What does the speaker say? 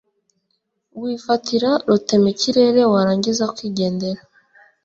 wifatira rutemikirere warangiza ukigendera